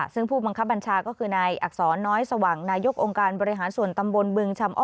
ซึ่งผู้บังคับบัญชาก็คือนายอักษรน้อยสว่างนายกองค์การบริหารส่วนตำบลบึงชำอ้อ